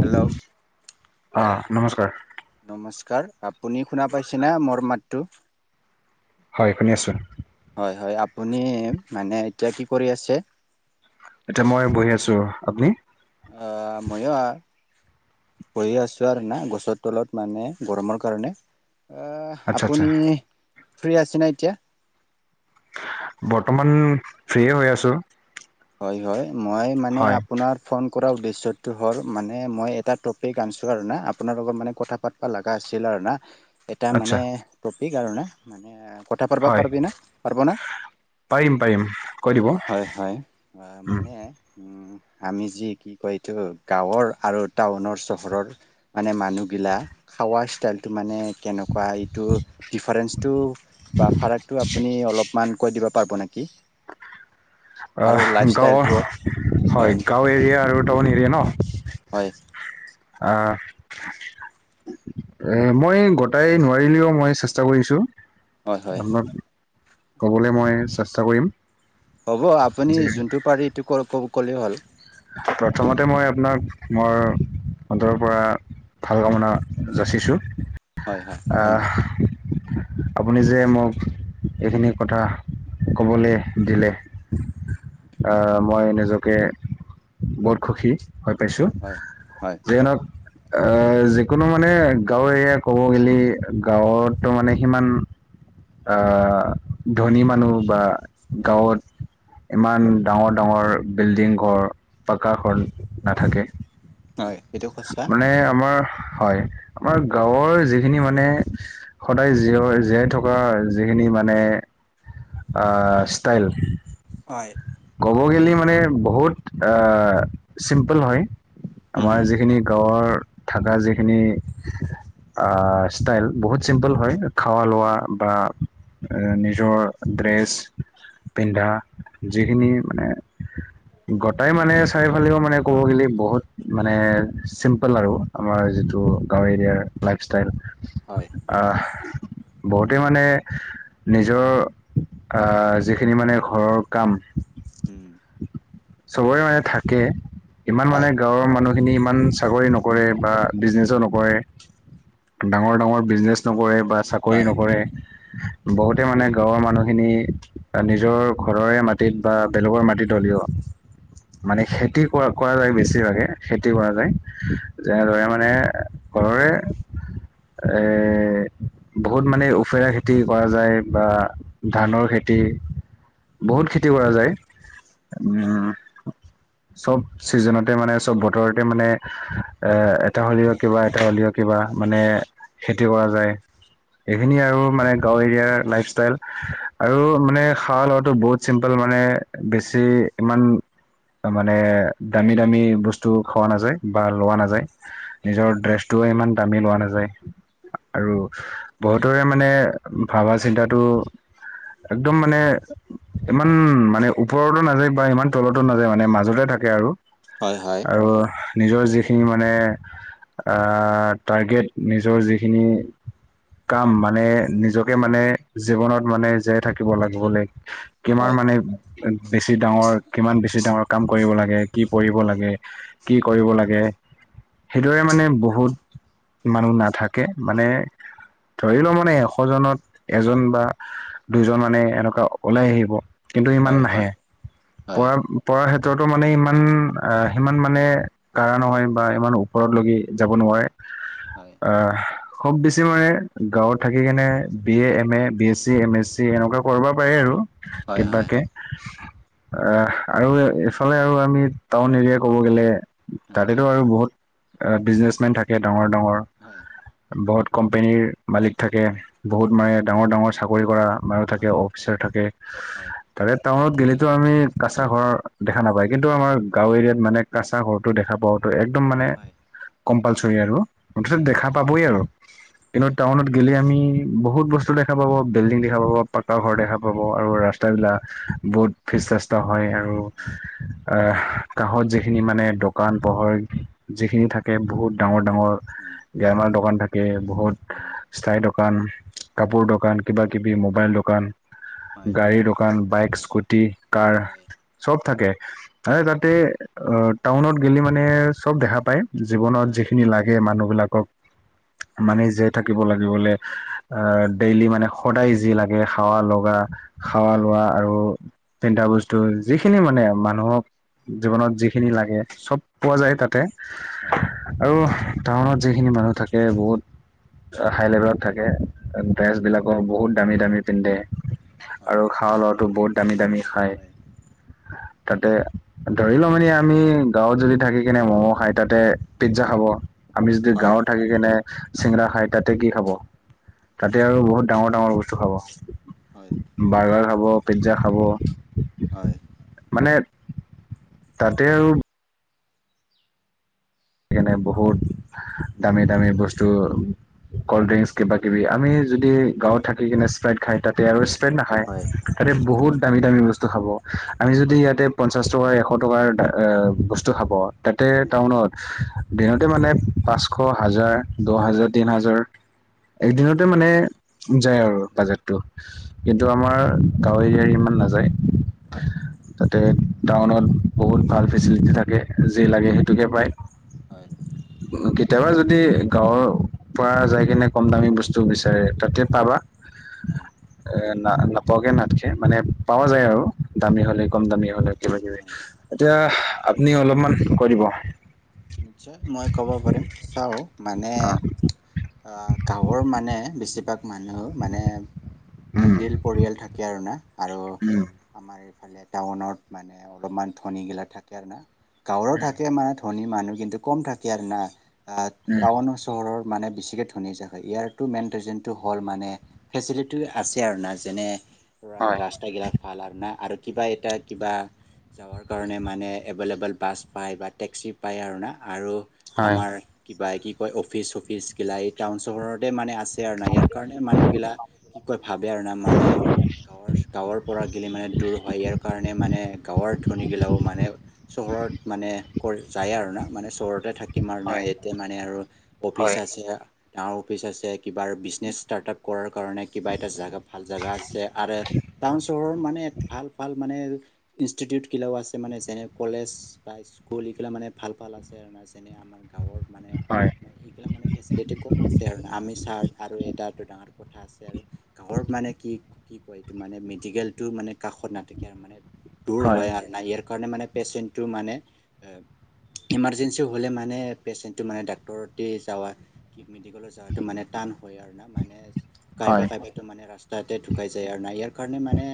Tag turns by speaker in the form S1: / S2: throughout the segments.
S1: Hello!
S2: অঁ', নমস্কাৰ।
S1: নমস্কাৰ! আপুনি শুনা পাইছে নে, মোৰ মাতটো?
S2: হয়, শুনি আছো।
S1: হয়, হয়, আপুনি মানে এতিয়া কি কৰি আছে?
S2: এতিয়া মই বহি আছো। আপুনি?
S1: অ', ময়ো বহি আছো আৰু এনেই গছৰ তলত। মানে গৰমৰ কাৰণে,
S2: আচ্ছা আচ্ছা
S1: আপুনি ফ্ৰী আছে নে এতিয়া?
S2: বৰ্তমান ফ্ৰীয়ে হৈ আছো।
S1: হয়, হয়, মই মানে
S2: হয়
S1: আপোনাৰ ফোন কৰাৰ উদ্দেশ্যটো হ'ল, মানে মই এটা টপিক আনিছোঁ আৰু না, আপোনাৰ লগত মানে কথা পাতিব লগা আছিল আৰু না এটা
S2: আচ্ছা
S1: মানে টপিক আৰু মানে কথা পাতিব
S2: হয়
S1: পাৰিবি ন', পাৰব না?
S2: পাৰিম, পাৰিম। কৈ দিব
S1: হয়, হয়, অ',
S2: উম,
S1: মানে উম, আমি যি কি কয় এইটো, গাঁৱৰ আৰু টাউনৰ চহৰৰ মানে মানুহগিলা খাৱা ষ্টাইলতটো মানে কেনেকুৱা, এইটো ডিফাৰেঞ্চটো বা ফৰাকটো আপুনি অলপমান কৈ দিব পাৰিব নেকি? কি?
S2: গাঁৱৰ,
S1: ষ্টাইলটোও
S2: হয়, গাঁও এৰিয়া আৰু টাউন এৰিয়া ন!
S1: হয়।
S2: আহ। এ, মই গটাই নোৱাৰিলেও, মই চেষ্টা কৰিছো।
S1: হয় হয়
S2: আপোনাক ক'বলৈ মই চেষ্টা কৰিম।
S1: হ'ব, আপুনি
S2: যে
S1: যোনটো পাৰি এইটো ক'লেই হ'ল।
S2: প্ৰথমতে মই আপোনাক মোৰ অন্তৰৰ পৰা ভাল কামনা যাচিছোঁ।
S1: হয় হয় ধন্য
S2: আপুনি যে মোক এইখিনি কথা ক'বলৈ দিলে। আহ, মই নিজকে বহুত সুখী হৈ পাইছোঁ,
S1: হয় হয়
S2: যিয়েই নহওঁক এ, যিকোনো মানে গাঁৱৰ এৰিয়া ক'ব গ'লে, গাঁৱতো মানে সিমান আহ, ধনী মানুহ বা গাঁৱত ইমান ডাঙৰ ডাঙৰ বিল্ডিং ঘৰ, পকা ঘৰ নাথাকে।
S1: হয় এইটো সঁচা
S2: মানে আমাৰ হয়, আমাৰ গাঁৱৰ যি যিখিনি মানে সদায় জীয় জীয়াই থকা যিখিনি মানে আহ' ষ্টাইল।
S1: হয়।
S2: ক'ব গ'লে মানে বহুত আহ' চিম্পুল হয়।
S1: উম
S2: আমাৰ যিখিনি গাঁৱৰ থকা যিখিনি আহ' ষ্টাইল বহুত চিম্পুল হয় খোৱা
S1: হয়
S2: লোৱাৰ বা নিজৰ ড্ৰেছ পিন্ধা- যিখিনি মানে গোটাই মানে চাৰিওফালেও মানে ক'ব গলি বহুত মানে চিম্পল আৰু। আমাৰ যিটো গাঁও এৰিয়াৰ লাইফষ্টাইল
S1: হয়।
S2: আহ' বহুতেই মানে নিজৰ আহ' যিখিনি মানে ঘৰৰ কাম
S1: উম
S2: চবৰে মানে থাকে, ইমান
S1: হয়
S2: মানে গাঁৱৰ মানুহ খিনি ইমান চাকৰি নকৰে বা বিজনেচো নকৰে। ডাঙৰ ডাঙৰ বিজনেছ নকৰে বা চা কৰি
S1: হয়
S2: নকৰে, বহুতে মানে গাঁৱৰ মানুহখিনি নিজৰ ঘৰৰে মাটিত বা বেলেগৰ মাটিত হ'লেও মানে খেতি কৰা কৰা যায় বেছিভাগে। খেতি কৰা
S1: হয়
S2: যায়। যেনেদৰে মানে ঘৰৰে এ বহুত মানে ওফেৰা খেতি কৰা যায় বা ধাণৰ খেতি। বহুত খেতি কৰা যায়। উম
S1: [unintelligible]
S2: চ'ব চিজনতে মানে চ'ব বতৰতে মানে এ এটা হ'লেও কিবা এটা হ'লেও কিবা মানে খেতি কৰা যায়। এইখিনি আৰু মানে গাঁও এৰিয়াৰ লাইফষ্টাইল আৰু মানে শালত টো বহুত চিম্পুল মানে বেছি ইমান মানে দামী দামী বস্তু খোৱা নাযায় বা লোৱা নাযায়। নিজৰ ড্ৰেছটোও ইমান দামী লোৱা নাযায়। আৰু বহুতৰে মানে ভাবা চিন্তাটো একদম মানে ইমান মানে ওপৰতো নাযায় বা ইমান তলতো নাযায় মানে মাজতে থাকে আৰু।
S1: হয় হয়।
S2: আৰু নিজৰ যিখিনি মানে আহ' টাৰ্গেট নিজৰ যিখিনি কাম মানে নিজ কে
S1: হয়
S2: মানে জীৱনত মানে জীয়াই থাকিব লাগিবলে
S1: হয়
S2: কিমান মানে বেছি ডাঙৰ, কিমান বেছি ডাঙৰ কাম কৰিব লাগে, কি পঢ়িব
S1: হয়।
S2: লাগে- কি কৰিব লাগে। সেইদৰে মানে বহুত মানুহ নাথাকে, মানে ধৰি ল মানে এশ জনত এজন বা দুজন মানে এনেকুৱা ওলাই আহিব, কিন্তু ইমান
S1: হয়
S2: নাহে,
S1: হয় হয়
S2: পৰা পঢ়াৰ ক্ষেত্ৰতো মানে ইমান সিমান মানে কাৰা নহয় বা ইমান ওপৰত লৈগে যাব নোৱাৰে।
S1: হয়
S2: অহ খুব বেছি মানে গাঁৱত থাকি কেনে B A, M A, B S C, M S C এনেকুৱা কৰিব কৰে আৰু
S1: হয় হয়
S2: কিবাকে অ আৰু এইফালে আৰু আমি টাউন এৰিয়া ক'ব গেলে
S1: হয়
S2: তাতেতো আৰু বহুত বিজনেছমেন থাকে ডাঙৰ ডাঙৰ
S1: হয়
S2: বহুত কোম্পেনীৰ মালিক থাকে,
S1: হয়
S2: বহুত মানে ডাঙৰ-ডাঙৰ চাকৰি কৰা মানুহ থাকে।
S1: হয়
S2: অ ফিচাৰ থাকে
S1: হয়
S2: তাৰে টাউনত গেলেটো আমি কাচা ঘৰ দেখা নাপায়, কিন্তু আমাৰ গাঁও এৰিয়াত মানে কাচা ঘৰটো দেখা পোৱাটো একদম মানে
S1: হয়
S2: কম্পালচৰি আৰু, মুঠতে
S1: হয়
S2: দেখা
S1: হয়
S2: পাবই আৰু কিন্তু
S1: হয়
S2: টাউনত গেলে আমি বহুত বস্তু দেখা পাব, বিল্ডিং দেখা পাব পা কা ঘৰ দেখা পাব, আৰু ৰাস্তাবিলাক
S1: হয়
S2: বহুত ফেষ্ট ৰাস্তা হয় আৰু
S1: হয়
S2: অ কাঁহত যিখিনি মানে দোকান পোহৰ যিখিনি থাকে, বহুত ডাঙৰ ডাঙৰ
S1: উম
S2: গেলামাল দোকান থাকে, বহুত
S1: উম
S2: স্থায়ী দোকান। কাপোৰ দোকান, কিবা-কিবি মোবাইল দোকান,
S1: হয়
S2: গাড়ীৰ দোকান, বাইক, স্কুটি, কাৰ
S1: হয়
S2: চব থাকে মানে
S1: হয়
S2: তাতে অ টাউনত গেলি মানে চব দেখা পায় জীৱনত
S1: হয়
S2: যিখিনি লাগে মানুহবিলাকক মানে জীয়াই থাকিব লাগিবলে, আ ডেইলি মানে সদায় যি লাগ গে খাৱা লগা, খাৱা
S1: হয়
S2: লোৱা আৰু পিন্ধা বস্তু, যিখিনি মানে মানুহক জীৱনত যিখিনি লাগে, চব পোৱা যায় তাতে
S1: হয় হয়
S2: আৰু টাউনত যিখিনি মানুহ থাকে বহুত হাই লেভেলত থাকে, ড্ৰেছ বিলাকো বহুত দামী দামী পিন্ধে
S1: হয়
S2: আৰু খাৱা লোৱাটো বহুত দামী দামী খায়।
S1: হয়
S2: তাতে ধৰি ল মানে আমি গাঁৱত যদি থাকি কেনে ম'ম খাই, তাতে পিজ্জা খাব। আমি যদি
S1: হয়
S2: গাঁৱত থাকি কেনে চিংৰা খাই, তাতে কি খাব তাতে আৰু বহুত ডাঙৰ ডাঙৰ বস্তু খাব।
S1: হয়
S2: বাৰ্গাৰ খাব, পিজ্জা খাব,
S1: হয়
S2: মানে তাতে আৰু কেনে বহুত, দামী-দামী বস্তু কলড্ৰিংকচ কিবা কিবি আমি যদি গাঁৱত থাকি কিনি স্প্ৰাইত খাই তাতে আৰু ষ্টেং নাখায়,
S1: হয় হয়
S2: তাতে বহুত দামী দামী বস্তু খাব। আমি যদি
S1: উম
S2: ইয়াতে পঞ্চাশ টকা, এশ টকাৰ আ বস্তু খাব। তাতে
S1: হয়
S2: টাউনত দিনতে মানে পাঁচশ, হাজাৰ, দহ হাজাৰ, তেন হাজাৰ একদিনতে মানে যায় আৰু বাজেটটো কিন্তু আমাৰ গাঁৱ এৰিয়াৰ ইমান নাযায়।
S1: হয়।
S2: তাতে টাউনত বহুত ভাল ফেচিলিটি থাকে, যি লাগে সেইটোকে পায়।
S1: হয়।
S2: কেতিয়াবা যদি গাঁৱৰ পৰা যাই কিনে কম দামী বস্তু বিচাৰে তাতে পাবা।
S1: হয়।
S2: এ না নাপাকে নাথকে মানে পোৱা
S1: হয়
S2: যায় আৰু দামী হলে কম দামী হলে কিবা কিবি।
S1: হয়
S2: এতিয়া আপুনি অলপমান কৈ দিব।
S1: নিশ্চয় মই ক'ব পাৰিম চাও মানে
S2: অ
S1: অ', গাঁওৰ মানে বেছিভাগ মানুহ মানে
S2: উম
S1: মিডিল পৰিয়াল থাকে আৰু না। আৰু
S2: উম।
S1: আমাৰ এইফালে টাউনত মানে অলপমান ধনীগিলা থাকে আৰু না। গাঁৱৰো থাকে মানে ধনী মানুহ কিন্তু কম থাকে আৰু না আহ
S2: উম
S1: টাউনও চহৰৰ মানে বেছিকৈ ধনী জাগ হয় ইয়াৰতো মেইন ৰিজননটো হ'ল মানে ফেচিলিটি আছে আৰু না যেনে
S2: হয়
S1: ৰা এগিলা ভাল আৰু নাই আৰু কিবা এটা কিবা যাবৰ কাৰণে মানে এভেইলেবল বাছ পায় বা টেক্সি পায় আৰু না আৰু
S2: হয়
S1: আমাৰ কিবা কি কয় অফিচ চফিচ গিলা এই টাউন চহৰতে মানে আছে আৰু ন' ইয়াৰ কাৰণে মানুহ বিলাক কি কয় ভাবে আৰু না মানে গাঁৱৰ গাঁৱৰ পৰা গ'লে মানে দূৰ হয় ইয়াৰ কাৰণে মানে গাঁৱৰ ধনিগিলাও মানে চহৰত মানে কৰি যায় আৰু না মানে চহৰতে থাকিম আৰু
S2: হয়
S1: নাই ইয়াতে মানে আৰু অফিচ
S2: হয়
S1: আছে। ডাঙৰ অফিচ আছে কিবাৰ বিজনেছ ষ্টাৰ্টআপ কৰাৰ কাৰণে কিবা এটা জেগা ভাল জোগা আছে আৰু টাউন চহৰত মানে ভাল ভাল মানে ইনষ্টিটিউটগিলাও আছে মানে যেনে কলেজ বা স্কুল এইবিলা মানে ভাল ভাল আছে আৰু না যেনে আমাৰ গাঁৱৰ মানে
S2: হয়
S1: এইগিলা মানে ফেচিলিটী কম আছে আৰু আমি চাৰ আৰু এ ডাঙৰ কথা আছে আৰু গাঁৱৰ মানে কি কি কয় এইটো মানে মেডিকেল টো মানে কাষত নাথাকে আৰু মানে দূৰ হয় আৰু নাই ইয়াৰ কাৰণে মানে পেচেণ্টটো মানে ইমাৰ্জেঞ্চি হ'লে মানে পেচেণ্টটো মানে ডাক্তৰতে যাৱা মেডিকেলত যাওতে মানে টান হয় আৰু না মানে কাইবা
S2: হয়
S1: কাইবা মানে ৰাস্তাতে ঢুকাই যায় আৰু নাই ইয়াৰ কাৰণে মানে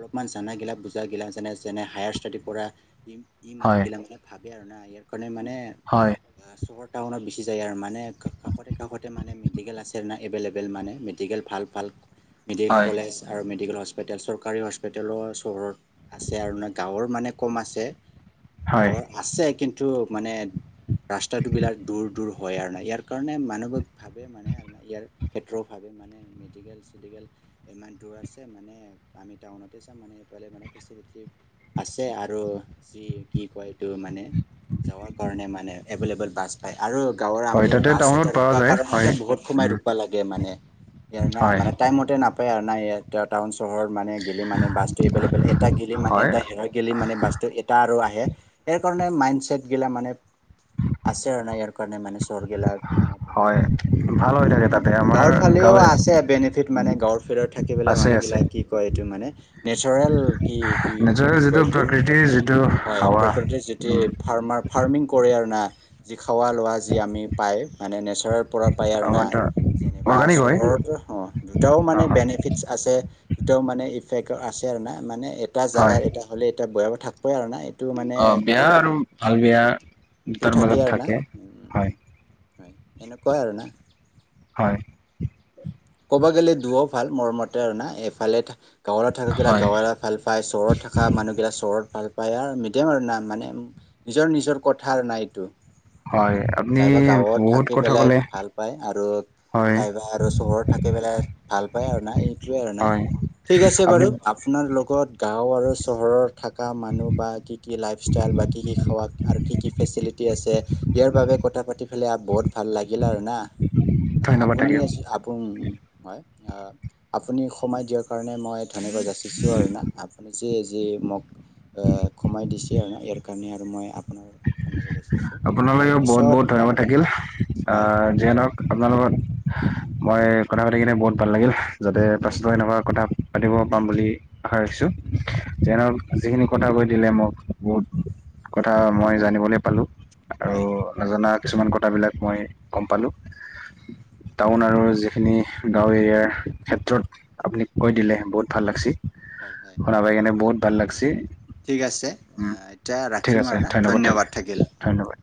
S1: অলপমান জানাগিলা বুজা গিলানে যেনে হায় ষ্টডি কৰা ই ই
S2: হয়
S1: মানুহবিলাক মানে ভাবে আৰু না ইয়াৰ কাৰণে মানে
S2: হয়।
S1: অ' আৰ টাউনত গুচি যায় আৰু মানে কাষতে কাষতে মানে মেডিকেল আছে না এভেইলেবল মানে মেডিকেল ভাল ভাল। মেডিকেল
S2: হয়
S1: কলেজ আৰু মেডিকেল হস্পিতেল চৰকাৰী হস্পিতেলৰ চহৰত আছে আৰু নহয় গাঁৱৰ মানে কম আছে।
S2: হয়।
S1: গাঁৱৰ আছে কিন্তু মানে ৰাস্তাতো বিলাক দূৰ দূৰ হয় আৰু ন' ইয়াৰ কাৰণে মানৱিক ভাৱে মানে ইয়াৰ ক্ষেত্ৰ ভাৱে মানে মেডিকেল মেডিকেল ইমান দূৰ আছে মানে আমি টাউনতে চ মানে মানে ফেচেচিট আছে আৰু যি কি কয় টো মানে যাবৰ কাৰণে মানে এভলেবল বাছ আৰু গাঁৱৰ
S2: হয়
S1: আমি
S2: তাতে
S1: বাছ
S2: টাউনত
S1: এটা
S2: পোৱা
S1: ৰৰুপা
S2: যায় হয়
S1: কাৰণতে বহুত সোমাই
S2: উম
S1: ৰৰুপা লাগে মানে। ইয় নাই
S2: হয়
S1: মানে টাইম মতে নাপায় আৰু নাই ই টাউন চহৰত। মানে গেলি মানে বাছটো এভেইলেবল এটা গেলি মানে
S2: হয়
S1: এটা হে গেলি মানে বাছটো এটা আৰু আহে। সেই কাৰণে মাইণ্ডচছেট গিলা মানে আছে আৰু ন ইয়াৰ কাৰণে মানে চহৰগিলা মানে ধনীটো
S2: হয়
S1: থাকে আৰু ন
S2: ভাল হৈ
S1: আৰু
S2: থাকে তাতে আমাৰ
S1: গাঁৱৰ ফালেও
S2: গাঁৱে
S1: আছে বেনিফিট মানে গাঁৱৰ ফিলত থাকি পেলাই
S2: আছে আছে
S1: মানুহগিলাক কি কয় এইটো মানে নেচাৰেল কি কি কি
S2: নেচাৰেল যিটো প্ৰকৃতিৰ যিটো হাৱা
S1: যিটি ফাৰ্মাৰ, ফাৰ্মিং কৰে আৰু না, যি খাৱা লোৱা যি আমি পাই মানে নেচ [unintelligible] পৰা পায় আৰু না,
S2: আমাৰটা
S1: যেনেবা
S2: অৰ্গেনিক হয়
S1: চহৰৰতো দুটাও
S2: অ
S1: মানে
S2: হয়
S1: বেনি ফিছ আছে। দুটাও মানে ইফেক্ট আছে আৰু না মানে এটা
S2: হয়
S1: জেগাৰ এটা হ'লে এটা ভয়াবহ থাকপই আৰু ন' এইটো মানে
S2: অ বেয়া আৰু ভাল বেয়া
S1: এইটো
S2: দুটাৰ
S1: থাকে
S2: মাজত
S1: আৰু না?
S2: হয়
S1: হয়, এনেকুৱাই আৰু না।
S2: হয়।
S1: ক'ব গ'লে দুঅ' ভাল মোৰ মতে আৰু না। এফালে থা গাঁৱলত থাকাকিলা
S2: হয়
S1: গাঁৱাৰা ভাল পায়, চহৰত থকা মানুহগিলাক চহৰত ভাল পায় আৰু মিডিয়াম আৰু না মানে নিজৰ নিজৰ কথা না এইটো।
S2: হয় আপুনি
S1: কাইবা গাঁৱত
S2: বহুত
S1: থাকি
S2: কথা
S1: পেলাই
S2: ক'লে
S1: ভাল পায় আৰু
S2: হয়
S1: কাইবা আৰু চহৰত থাকি একেবেলে ভাল পায় আৰু না এইটোয়ে আৰু না।
S2: হয়
S1: ঠিক আছে
S2: আপুনি
S1: বাৰু আপোনাৰ লগত গাঁও আৰু চহৰত থকা মানুহ বা কি কি লাইফষ্টাইল বা কি কি খাৱ কি কি ফেচিলিটি আছে ইয়াৰ বাবে কথা পাতি পেলাই বহুত ভাল লাগিল আৰু না।
S2: ধন্যবাদ
S1: আপুনি
S2: থাকিল
S1: আজি আপোন হয়, আ, আপুনি সময় দিয়াৰ কাৰণে মই ধন্যবা যাচিছোঁ আৰু না, আপুনি যে যি মোক সময় দিছে আৰু ইয়াৰ কাৰণে আৰু মই আপ
S2: আপোনালৈও বহুত
S1: পিছত
S2: বহুত ধন্যবাদ
S1: অম
S2: থাকিল।
S1: হয়
S2: আহ যিয়ে নহওঁক আপোনাৰ লগত মই কথা পাতি কিনে বহুত ভাল লাগিল যাতে
S1: হয়
S2: পাছত এনেকুৱা কথা পাতিব পাম বুলি আশা ৰাখিছোঁ
S1: উম
S2: যেন যিখিনি কথা কৈ দিলে মোক বহুত কথা মই জানিবলৈ পালোঁ। আৰু
S1: হয়।
S2: নজনা কিছুমান কথাবিলাক মই গম পালোঁ। টাউন আৰু যিখিনি গাঁও এৰিয়াৰ ক্ষেত্ৰত আপুনি কৈ
S1: হয়
S2: দিলে বহুত ভাল লাগছে,
S1: হয় হয়
S2: শুনা পাই কিনে বহুত ভাল লাগিছে।
S1: ঠিক আছে। এতিয়া ৰাখিম আৰু না, ধন্যবাদ থাকিল।
S2: ধন্যবাদ।